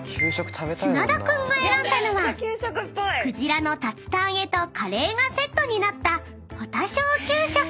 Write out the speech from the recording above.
［砂田君が選んだのは鯨の竜田揚げとカレーがセットになった保田小給食］